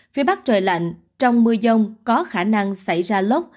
phía bắc trời lạnh trong mưa dông có khả năng xảy ra lốc